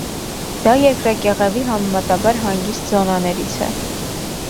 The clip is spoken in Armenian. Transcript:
Դա երկրակեղևի համեմատաբար հանգիստ զոնաներից է։